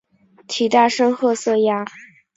体大深褐色鸭。